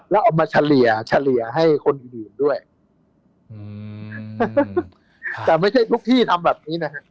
แล้วเอามาเฉลี่ยให้คนอื่นด้วยแต่ไม่ใช่ทุกที่ทำแบบนี้นะครับ